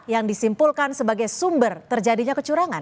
yang disimpulkan sebagai sumber terjadinya kecurangan